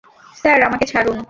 Sir, আমাকে ছাড়ুন।